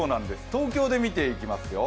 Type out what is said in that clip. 東京で見ていきますよ。